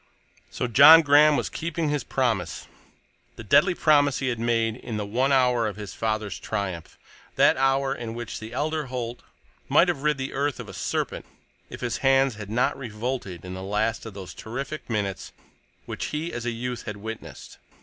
So John Graham was keeping his promise, the deadly promise he had made in the one hour of his father's triumph—that hour in which the elder Holt might have rid the earth of a serpent if his hands had not revolted in the last of those terrific minutes which he as a youth had witnessed.